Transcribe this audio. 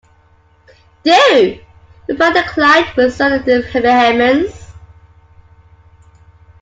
“Do!” replied the client, with sudden vehemence.